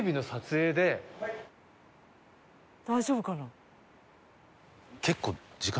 大丈夫かな？